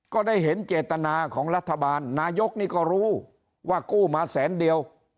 ก็ได้เห็นเจตนาของรัฐบาลนายกนี่ก็รู้ว่ากู้มาแสนเดียว